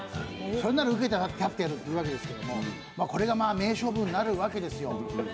それなら受けてたってやるというわけですけれども、これが名勝負になるわけですよ。